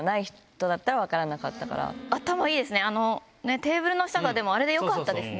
テーブルの下があれでよかったですね。